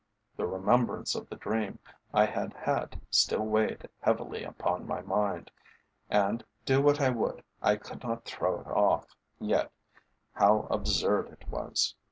The remembrance of the dream I had had still weighed heavily upon my mind, and, do what I would, I could not throw it off. Yet how absurd it was.